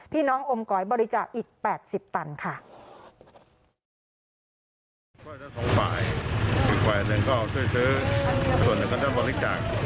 น้องอมก๋อยบริจาคอีก๘๐ตันค่ะ